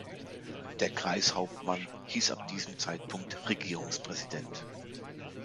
Der Kreishauptmann hieß ab diesem Zeitpunkt Regierungspräsident.